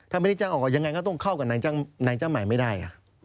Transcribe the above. ถ้าไม่ได้จ้างออกยังไงก็ต้องเข้ากับนายจ้างใหม่ไม่ได้